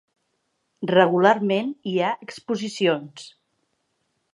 Regularment hi ha exposicions.